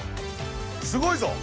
すごいぞ！